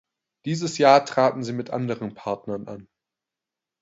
Dieses Jahr traten sie mit anderen Partnern an.